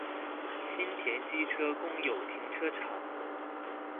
新田機車公有停車場